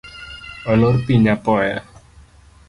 Olor piny apoya